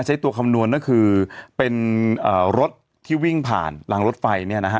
ใช้ตัวคำนวณก็คือเป็นรถที่วิ่งผ่านรางรถไฟเนี่ยนะฮะ